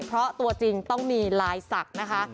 เพราะตัวจริงต้องมีลายศักดิ์นะคะ